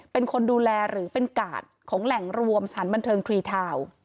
เป็นคนดูแลหรือเป็นกาดของแหล่งรวมสถานบันเทิงทรีทาวน์